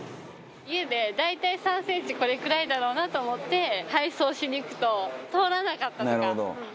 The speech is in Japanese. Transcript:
家で大体３センチこれくらいだろうなと思って配送しに行くと通らなかったとかあるんですよ。